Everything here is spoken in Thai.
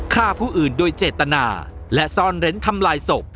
ฆ่าผู้อื่นโดยเจตนาและซ่อนเร้นทำลายศพ